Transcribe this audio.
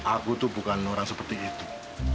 aku tuh bukan orang seperti itu